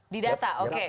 di data oke